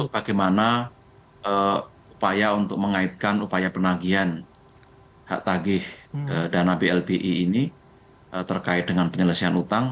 bagaimana upaya untuk mengaitkan upaya penagihan hak tagih dana blbi ini terkait dengan penyelesaian utang